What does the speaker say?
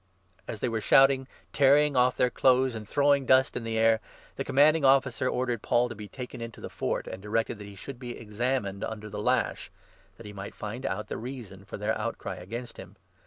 " As they were shouting, tearing off their clothes, and throwing 23 dust in the air, the Commanding Officer ordered Paul to be 24 taken into the Fort, and directed that he should be examined under the lash, that he might find out the reason for their outcry against him.